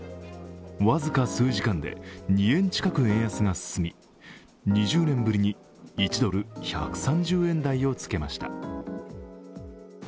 僅か数時間で２円近く円安が進み２０年ぶりに１ドル＝１３０円台をつけました。